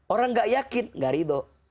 orang gak yakin gak ridho